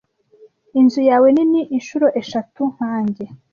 Inzu yawe nini inshuro eshatu nkanjye.